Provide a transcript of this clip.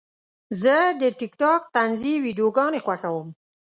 زه د ټک ټاک طنزي ویډیوګانې خوښوم.